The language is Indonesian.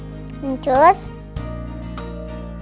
jawab yang jujur ya